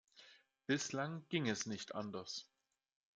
Bislang ging es nicht anders.